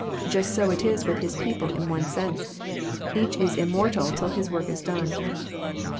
Just so it is with His people in one sense. Each is immortal till his work is done.